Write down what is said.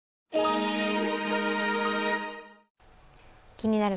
「気になる！